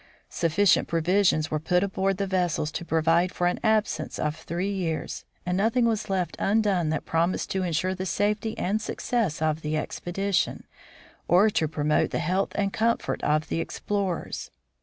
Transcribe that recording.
Sufficient provisions were put aboard the vessels to provide for an absence of three years, and nothing was left undone that promised to insure the safety and success of the expedition, or to promote the health and comfort of the explorers.